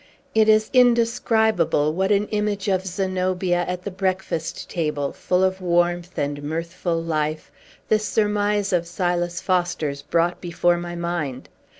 It is indescribable what an image of Zenobia at the breakfast table, full of warm and mirthful life this surmise of Silas Foster's brought before my mind.